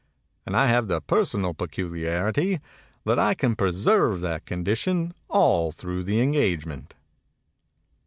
And I have the personal peculiarity that I can preserve that condition all through the engagement